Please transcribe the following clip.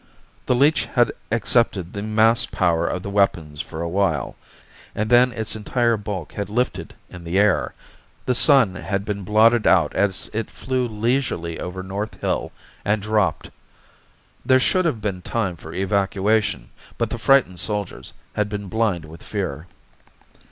The leech had accepted the massed power of the weapons for a while, and then its entire bulk had lifted in the air. The Sun had been blotted out as it flew leisurely over North Hill, and dropped. There should have been time for evacuation, but the frightened soldiers had been blind with fear.